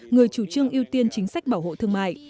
người chủ trương ưu tiên chính sách bảo hộ thương mại